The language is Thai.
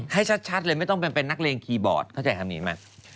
ให้ชัดเลยไม่ต้องเป็นนักเลงคีย์บอร์ดเข้าใจคำนี้ไหม